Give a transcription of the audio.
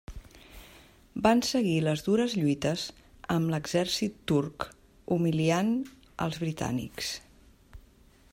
Van seguir les dures lluites, amb l'exèrcit turc humiliant als britànics.